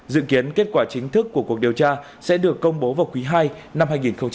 dự kiến kết quả chính thức của cuộc điều tra sẽ được công bố vào quý ii năm hai nghìn hai mươi